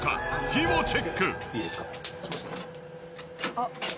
あっ。